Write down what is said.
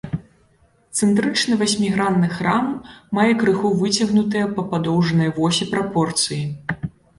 Цэнтрычны васьмігранны храм мае крыху выцягнутыя па падоўжанай восі прапорцыі.